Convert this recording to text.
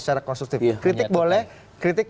secara konstruktif kritik boleh kritik